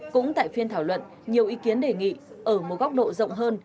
cũng tại phiên thảo luận nhiều ý kiến đề nghị ở một góc độ rộng hơn